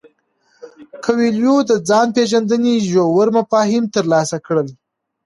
کویلیو د ځان پیژندنې ژور مفاهیم ترلاسه کړل.